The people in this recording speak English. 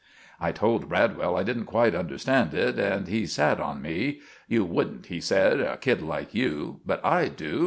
I told Bradwell I didn't quite understand it, and he sat on me. "You wouldn't," he said, "a kid like you. But I do.